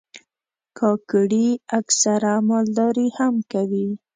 کاکړي اکثره مالداري هم کوي.